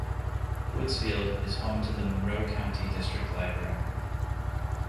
Woodsfield is home to the Monroe County District Library.